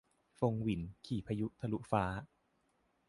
ฟงหวิน ขี่พายุทะลุฟ้า